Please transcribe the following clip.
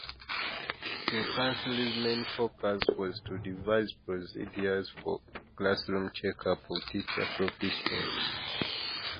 The council's main focus was to devise procedures for classroom checkup of teacher proficiency.